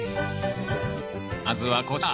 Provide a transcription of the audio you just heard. まずはこちら。